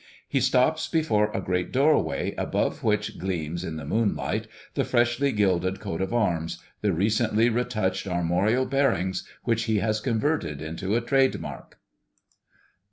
He stops before a great doorway above which gleams in the moonlight the freshly gilded coat of arms, the recently retouched armorial bearings which he has converted into a trade mark.